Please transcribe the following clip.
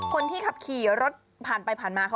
คนที่ขับขี่รถผ่านไปผ่านมา